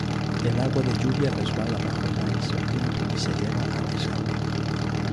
El agua de lluvia resbala bajo el aislamiento y se lleva a desagüe.